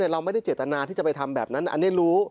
เราไม่ได้เจตนาที่จะไปทำแบบนั้นอันนี้รู้